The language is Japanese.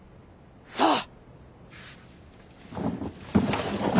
さあ。